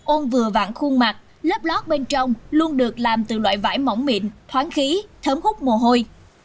ôn vừa vạn khuôn mặt lớp lót bên trong luôn được làm từ loại vải mỏng mịn thoáng khí thấm hút mồ hôi